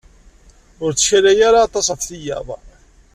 Ur ttkalay ara aṭas ɣef tiyaḍ.